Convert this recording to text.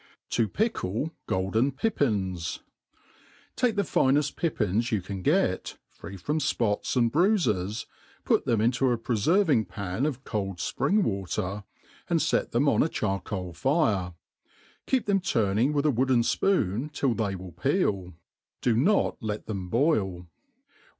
To pickli GohUn* Pippins. TAKE the fineft pippins you can get, fnt from fpots and bruifes, put them into a preferving pan of cold fpring water, and fet them on a charcoal fire. Keep them turning with a wooden fpoon till they will peel ; do not let them boil.